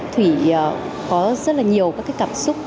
thủy có rất là nhiều các cảm xúc